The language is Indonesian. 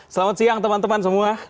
selamat siang teman teman semua